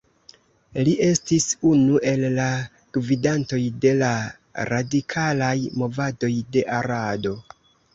Li estis unu el la gvidantoj de la radikalaj movadoj de Arado.